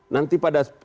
nanti pada kebocoran